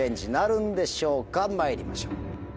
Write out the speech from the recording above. まいりましょう。